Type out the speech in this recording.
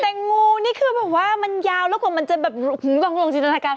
แต่งูนี่คือแบบว่ามันยาวแล้วกว่ามันจะแบบลองจินตนาการ